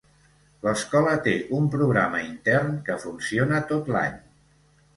L'escola té un programa intern que funciona tot l'any.